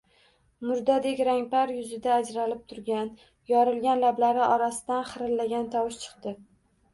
Murdadek rangpar yuzida ajralib turgan, yorilgan lablari orasidan xirillagan tovush chiqdi